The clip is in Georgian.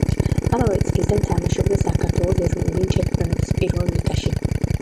ამავე წლიდან თამაშობდა საქართველოს ეროვნული ჩემპიონატის პირველ ლიგაში.